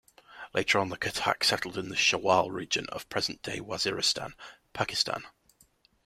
Later on, the Khattak settled in the Shawal region of present-day Waziristan, Pakistan.